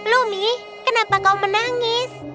lumi kenapa kau menangis